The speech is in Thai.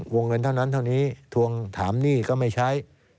วงเงินเท่านั้นเท่านี้ทวงถามหนี้ก็ไม่ใช้